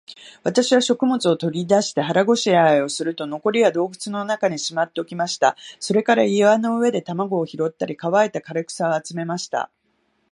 私は食物を取り出して、腹ごしらえをすると、残りは洞穴の中にしまっておきました。それから岩の上で卵を拾ったり、乾いた枯草を集めました。